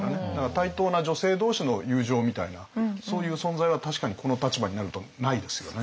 対等な女性どうしの友情みたいなそういう存在は確かにこの立場になるとないですよね。